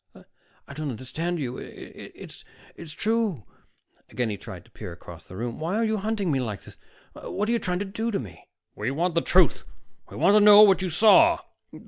"I I don't understand you. It's it's true " Again he tried to peer across the room. "Why are you hunting me like this? What are you trying to do to me?" "We want the truth. We want to know what you saw."